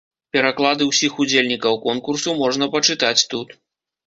Пераклады ўсіх удзельнікаў конкурсу можна пачытаць тут.